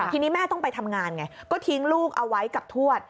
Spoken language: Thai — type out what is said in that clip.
ทีนี้แม่ต้องไปทำงานไงก็ทิ้งลูกเอาไว้กับทวด